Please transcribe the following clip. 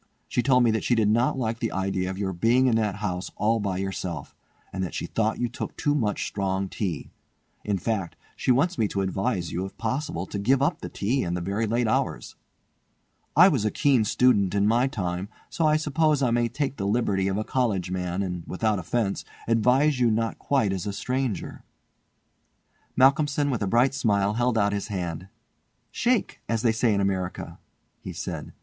She told me that she did not like the idea of your being in that house all by yourself, and that she thought you took too much strong tea. In fact, she wants me to advise you if possible to give up the tea and the very late hours. I was a keen student in my time, so I suppose I may take the liberty of a college man, and without offence, advise you not quite as a stranger." Malcolmson with a bright smile held out his hand. "Shake! as they say in America," he said.